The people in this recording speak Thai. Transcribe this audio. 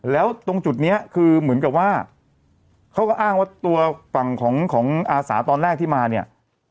แล้วตรงจุดนี้คือเหมือนกับว่าเขาก็อ้างว่าตัวฝั่งของอาสาตอนแรกที่มาเนี่ย